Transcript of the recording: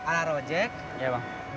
alar ojek berangkat